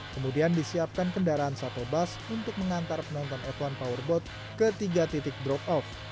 kemudian disiapkan kendaraan sate bus untuk mengantar penonton f satu powerboat ke tiga titik drop off